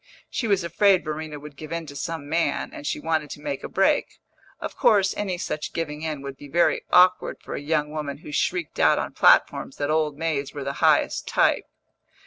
She was afraid Verena would give in to some man, and she wanted to make a break. Of course, any such giving in would be very awkward for a young woman who shrieked out on platforms that old maids were the highest type.